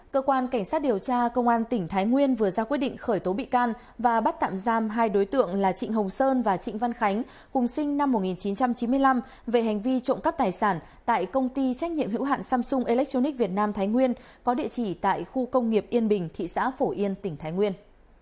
cơ quan cảnh sát điều tra công an tỉnh thái nguyên vừa ra quyết định khởi tố bị can và bắt tạm giam hai đối tượng là trịnh hồng sơn và trịnh văn khánh cùng sinh năm một nghìn chín trăm chín mươi năm về hành vi trộm cắp tài sản tại công ty trách nhiệm hữu hạn samsung electronic việt nam thái nguyên có địa chỉ tại khu công nghiệp yên bình thị xã phổ yên tỉnh thái nguyên